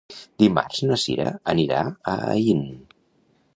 Dimarts na Cira anirà a Aín.